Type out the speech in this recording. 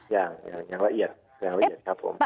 อย่างละเอียดใช่ครับผม